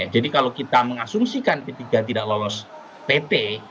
jadi kalau kita mengasumsikan p tiga tidak lolos pt